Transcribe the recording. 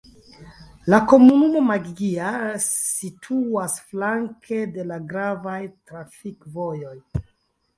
La komunumo Maggia situas flanke de la gravaj trafikvojoj.